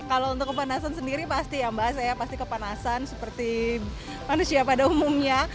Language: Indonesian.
kalau untuk kepanasan sendiri pasti ya mbak saya pasti kepanasan seperti manusia pada umumnya